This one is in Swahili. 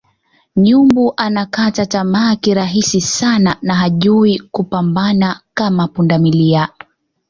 Nyumbu anakata tamaa kirahisi sana na hajui kupambana kama pundamilia